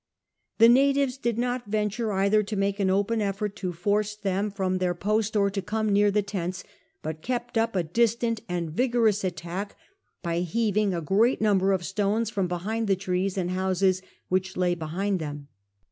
The natives did not venture either to make an open effort to force them xr GILBERTS STORY 163 from their post or to come near the tents, but kept up a distant and vigorous attack by heaving a great number of stones from beliind the trees and bouses which lay behind them.